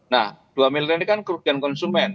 nah dua miliar ini kan kerugian konsumen